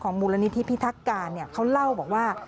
มูลนิธิพิทักการเขาเล่าบอกว่า